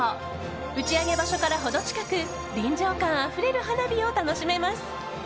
打ち上げ場所から程近く臨場感あふれる花火を楽しめます。